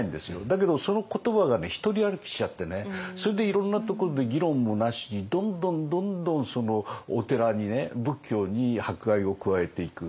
だけどその言葉が独り歩きしちゃってそれでいろんなところで議論もなしにどんどんどんどんお寺に仏教に迫害を加えていく。